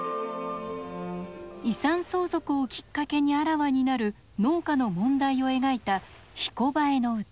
遺産相続をきっかけにあらわになる農家の問題を描いた「ひこばえの歌」。